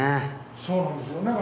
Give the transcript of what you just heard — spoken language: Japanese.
そうなんですよ。